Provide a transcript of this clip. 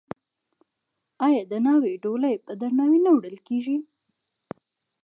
آیا د ناوې ډولۍ په درناوي نه وړل کیږي؟